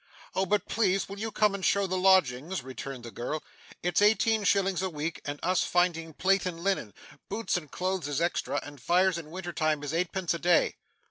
'Oh, but please will you come and show the lodgings,' returned the girl; 'It's eighteen shillings a week and us finding plate and linen. Boots and clothes is extra, and fires in winter time is eightpence a day.